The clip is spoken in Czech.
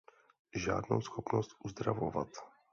Žádnou schopnost uzdravovat.